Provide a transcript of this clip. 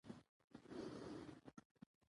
باران د افغانستان د سیلګرۍ یوه ښه برخه ده.